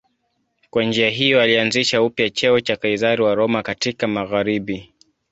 Kwa njia hiyo alianzisha upya cheo cha Kaizari wa Roma katika magharibi.